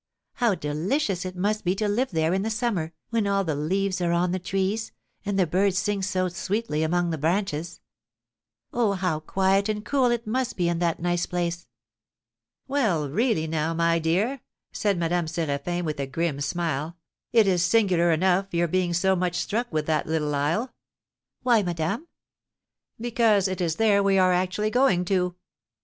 How delicious it must be to live there in the summer, when all the leaves are on the trees and the birds sing so sweetly among the branches! Oh, how quiet and cool it must be in that nice place!" "Well, really, now, my dear," said Madame Séraphin, with a grim smile, "it is singular enough your being so much struck with that little isle!" "Why, madame?" "Because it is there we are actually going to."